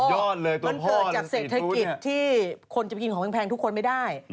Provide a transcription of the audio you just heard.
มันเกิดจากเศรษฐกิจที่คนจะไปกินของแพงทุกคนไม่ได้